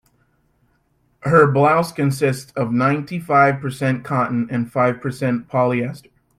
Her blouse consists of ninety-five percent cotton and five percent polyester.